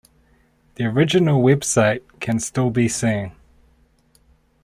The original web site can still be seen.